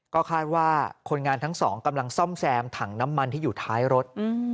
ก็คาดว่าคนงานทั้งสองกำลังซ่อมแซมถังน้ำมันที่อยู่ท้ายรถ